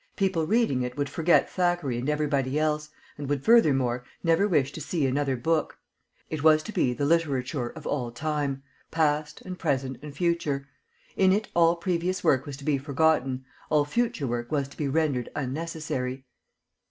People reading it would forget Thackeray and everybody else, and would, furthermore, never wish to see another book. It was to be the literature of all time past and present and future; in it all previous work was to be forgotten, all future work was to be rendered unnecessary.